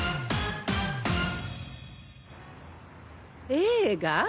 映画？